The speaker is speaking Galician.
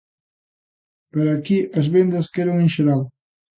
Pero aquí as vendas caeron en xeral.